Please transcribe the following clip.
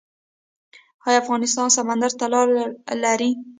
آیا افغانستان سمندر ته لاره لري؟